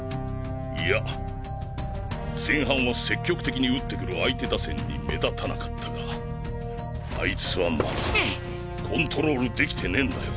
いや前半は積極的に打ってくる相手打線に目立たなかったがあいつはまだコントロールできてねぇんだよ。